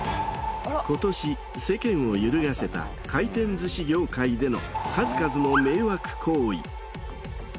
今年世間を揺るがせた回転寿司業界での数々の迷惑行為。